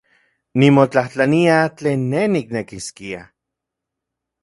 Nimotlajtlania tlen ne niknekiskia.